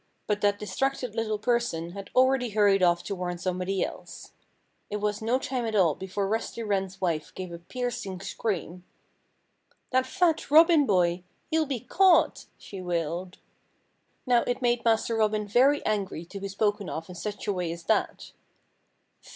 But that distracted little person had already hurried off to warn somebody else. It was no time at all before Rusty Wren's wife gave a piercing scream. "That fat Robin boy he'll be caught!" she wailed. Now, it made Master Robin very angry to be spoken of in such a way as that.